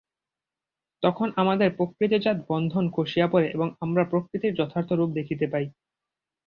তখন আমাদের প্রকৃতিজাত বন্ধন খসিয়া পড়ে এবং আমরা প্রকৃতির যথার্থ রূপ দেখিতে পাই।